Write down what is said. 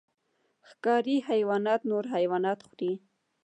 ښکاري حیوانات نور حیوانات خوري